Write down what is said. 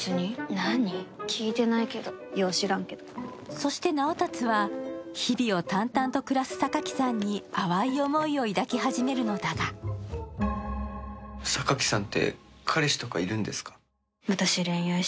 そして直達は日々を淡々と暮らす榊さんに淡い思いを抱き始めるのだが恋愛はしないと宣言する榊さん。